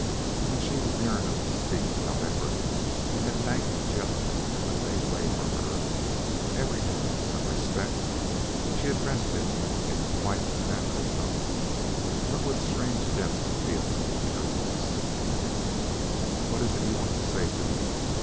When she was near enough to speak without effort and had thanked the gentlemen who had made way for her with every evidence of respect, she addressed him in quite a natural tone but with strange depths of feeling in her voice: "What is it you want to say to me?